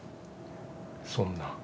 そんな。